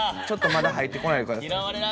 ちょっとまだ入ってこないでください。